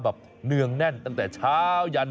เนื่องแน่นตั้งแต่เช้ายัน